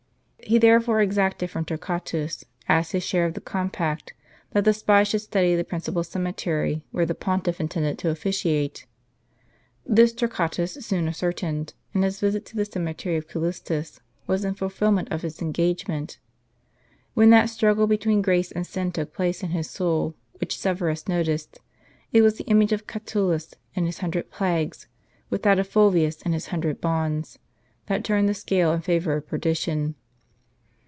He therefore exacted from Torqua tus, as his share of the compact, that the spy should study the principal cemetery w^here the pontiff intended to offi ciate. This Torquatus soon ascertained ; and his visit to the cemetery of Callistus was in fulfilment of his engage ment. When that struggle between grace and sin took place in his soul, which Severus noticed, it was the image of Catulus and his hundred plagues, with that of Fulvius and his hundred bonds, that turned the scale in favor of perdition.